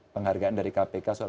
penghargaan dari kpk soal